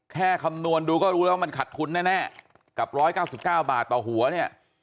แค่คำนวณดูก็รู้แล้วว่ามันขัดทุนแน่แน่กับร้อยเก้าสิบเก้าบาทต่อหัวเนี้ย